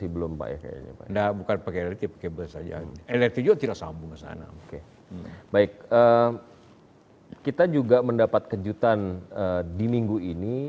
baik kita juga mendapat kejutan di minggu ini